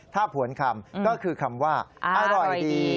ถ้าผวนคำก็คือคำว่าอร่อยดี